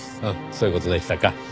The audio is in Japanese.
そういう事でしたか。